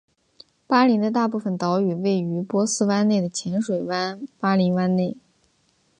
巴林的大部分岛屿位于波斯湾内的浅水湾巴林湾内。